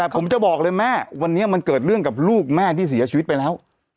ผมจะบอกเลยแม่วันนี้มันเกิดเรื่องกับลูกแม่ที่เสียชีวิตไปแล้ว